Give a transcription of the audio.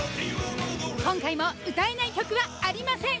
今回も歌えない曲はありません。